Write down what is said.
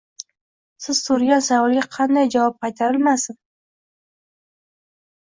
Siz so’ragan savolga qanday javob qaytarilmasin